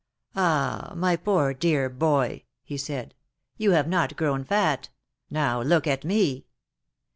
'^Ah ! my poor, dear boy," he said, ''you have not grown fat. Now look at me!"